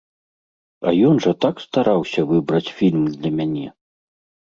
А ён жа так стараўся выбраць фільм для мяне!